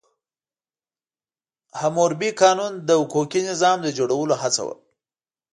حموربي قانون د حقوقي نظام د جوړولو هڅه وه.